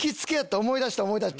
思い出した思い出した。